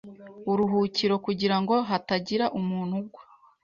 buruhukiro kugira ngo hatagira umuntu ugwa